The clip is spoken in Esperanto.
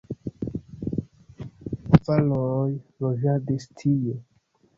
Pli frue avaroj loĝadis tie.